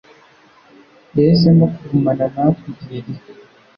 yahisemo kugumana natwe igihe gito.